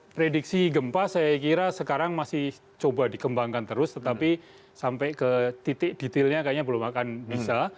prediksi gempa saya kira sekarang masih coba dikembangkan terus tetapi sampai ke titik detailnya kayaknya belum akan bisa